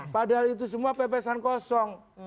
padahal itu semua pepesan kosong